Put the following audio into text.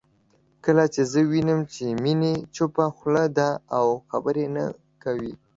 کله چې زه ووينم چې میني چپه خوله ده او خبرې نه کوي